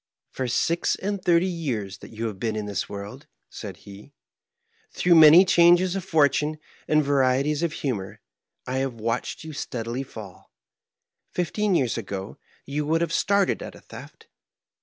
"For six and thirty years that yon have been in this world," said he, "throngh many changes of fortnne and varieties of hnmor, I have watched you steadily fall. Fifteen years ago you would have started at a theft.